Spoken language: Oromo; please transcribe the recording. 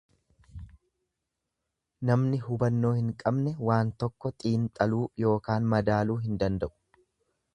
Namni hubannoo hin qabne waan tokko xiinxaluu ykn madaaluu hin danda'u.